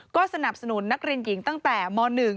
ก็สนับสนุนนักเรียนหญิงตั้งแต่ม๑